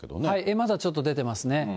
まだちょっと出てますね。